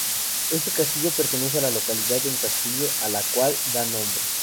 Este castillo pertenece a la localidad de Uncastillo, a la cual da nombre.